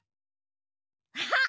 あっ！